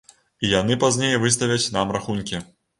І яны пазней выставяць нам рахункі.